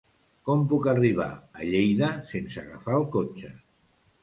Com puc arribar a Lleida sense agafar el cotxe?